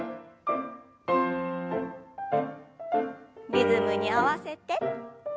リズムに合わせて。